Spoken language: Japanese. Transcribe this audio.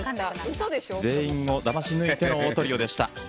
全員をだまし抜いてのオートリオでした。